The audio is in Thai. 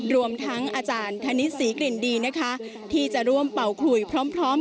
รวมทั้งอาจารย์ธนิษฐศรีกลิ่นดีนะคะที่จะร่วมเป่าคุยพร้อม